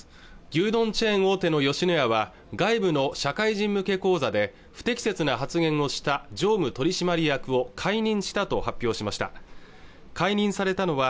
牛丼チェーン大手の吉野家は外部の社会人向け講座で不適切な発言をした常務取締役を解任したと発表しました解任されたのは